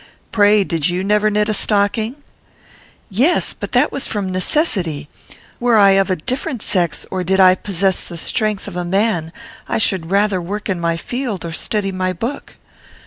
Pray, did you never knit a stocking?' "'Yes; but that was from necessity. Were I of a different sex, or did I possess the strength of a man, I should rather work in my field or study my book.'